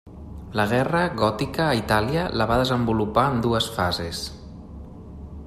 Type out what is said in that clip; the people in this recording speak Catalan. La guerra gòtica a Itàlia la va desenvolupar en dues fases.